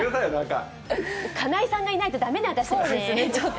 金井さんいないと駄目ね、私たち。